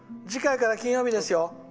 次回から金曜日ですよ。